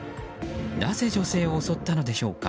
なぜ女性を襲ったのでしょうか。